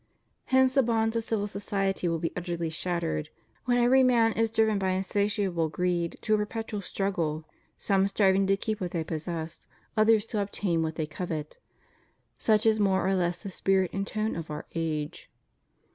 Hence the bonds of civil society will be utterly shattered, when every man is driven by insatiable greed to a perpetual struggle, some striving to keep what they possess, others to obtain what they covet. Such is more or less the spirit and tone of our age.